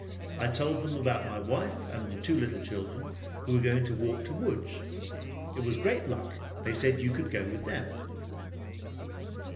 I told them about my wife and two little children who were going to walk to Lodz. It was great luck. They said you could go with them.